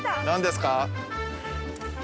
何ですか？